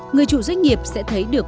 người chủ doanh nghiệp sẽ thấy được